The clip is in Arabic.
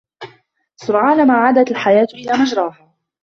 سرعان ما عادت الحياة إلى مجراها.